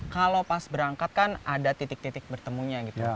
kalau pas berangkat kan ada titik titik bertemunya gitu